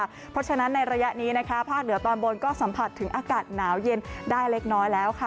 เพราะฉะนั้นในระยะนี้นะคะภาคเหนือตอนบนก็สัมผัสถึงอากาศหนาวเย็นได้เล็กน้อยแล้วค่ะ